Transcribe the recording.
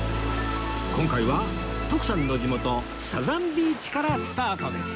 今回は徳さんの地元サザンビーチからスタートです